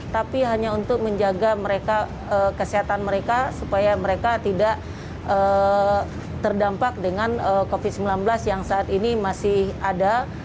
tapi hanya untuk menjaga mereka kesehatan mereka supaya mereka tidak terdampak dengan covid sembilan belas yang saat ini masih ada